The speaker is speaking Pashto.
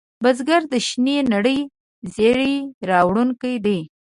بزګر د شنې نړۍ زېری راوړونکی دی